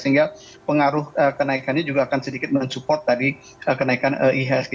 sehingga pengaruh kenaikannya juga akan sedikit mensupport tadi kenaikan ihsg